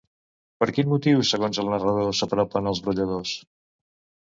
Per quin motiu, segons el narrador, s'apropen als brolladors?